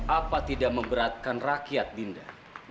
apa tidak memberatkan rakyat dinda